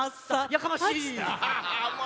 やかましい！